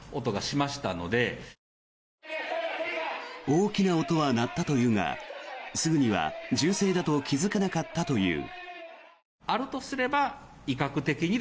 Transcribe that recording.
大きな音は鳴ったというがすぐには銃声だと気付かなかったという。